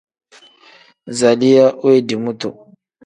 Zaliya wendii mutu.